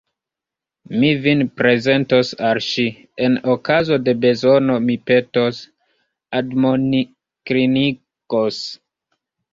Mi vin prezentos al ŝi, en okazo de bezono mi petos, admoninklinigos.